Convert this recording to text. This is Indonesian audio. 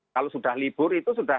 kalau sudah libur